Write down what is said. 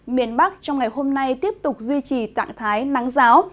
miền bắc trong ngày hôm nay tiếp tục duy trì trạng thái nắng giáo